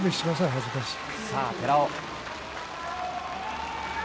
恥ずかしい。